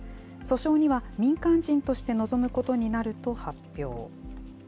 訴訟には民間人として臨むことになると発表。